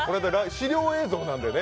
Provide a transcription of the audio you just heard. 資料映像なんでね。